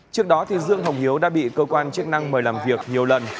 trước đó dương hồng hiếu đã bị cơ quan chức năng mời làm việc nhiều lần